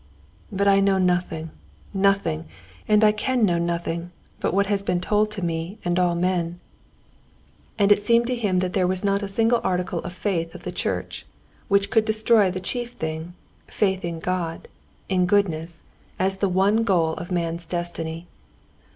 "But I know nothing, nothing, and I can know nothing but what has been told to me and all men." And it seemed to him that there was not a single article of faith of the church which could destroy the chief thing—faith in God, in goodness, as the one goal of man's destiny.